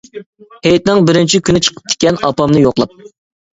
-ھېيتنىڭ بىرىنچى كۈنى چىقىپتىكەن، ئاپامنى يوقلاپ.